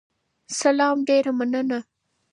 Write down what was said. سلام، ډیره مننه